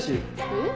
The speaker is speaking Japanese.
えっ？